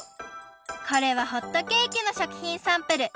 これはホットケーキの食品サンプル。